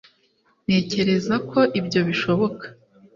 Ntekereza ko ibyo bishoboka